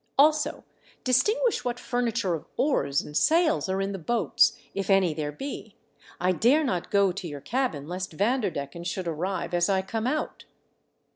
Also distinguish what furni ture of oars and sails are in the boats — if any there be. I dare not go to your cabin lest Vanderdecken should arrive as I come out."